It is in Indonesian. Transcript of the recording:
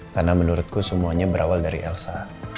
karena menurutku semuanya berawal dari elsa